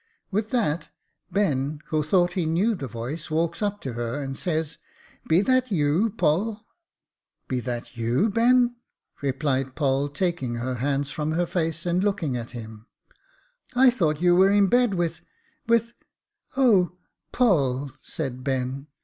With that, Ben, who thought he knew the voice, walks up to her, and says, * Be that you. Poll ?'"* Be that you, Ben ?' replied Poll, taking her hands from her face, and looking at him. I thought you were in bed with — with — oh ! Poll !' said Ben.